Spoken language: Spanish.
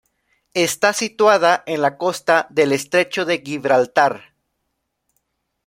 Está situada en la costa del Estrecho de Gibraltar.